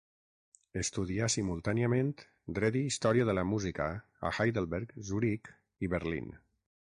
Estudià simultàniament dret i història de la música a Heidelberg, Zuric i Berlín.